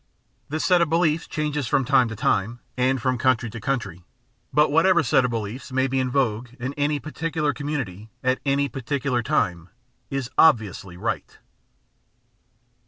This set of beliefs changes from time to time and from coimtry to coimtry, but what ever set of beliefs may be in vogue in any particular community at any particular time is "obviously" right.